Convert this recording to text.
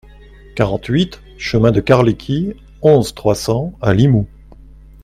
quarante-huit chemin de Carliqui, onze, trois cents à Limoux